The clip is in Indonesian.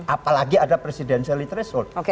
apalagi ada presidensial interest